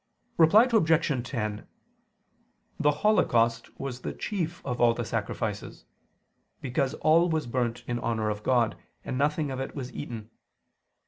Reply Obj. 10: The holocaust was the chief of all the sacrifices: because all was burnt in honor of God, and nothing of it was eaten.